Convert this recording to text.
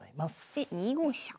で２五飛車。